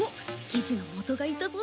記事の元がいたぞ。